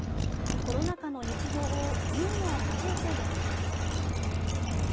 コロナ禍の日常をユーモアを交えて詠んでいます。